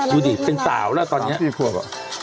กูดิสเป็นสาวแล้วตอนนี้อ๋อตอนนี้ปี๔ข่วบ